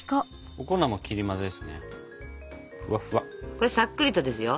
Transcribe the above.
これさっくりとですよ。